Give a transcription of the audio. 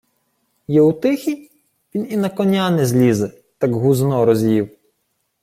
— Єутихій? Він і на коня не злізе, таке гузно роз'їв.